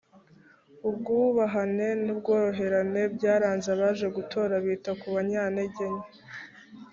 ubwubahane n ubworoherane byaranze abaje gutora bita ku banyantege nke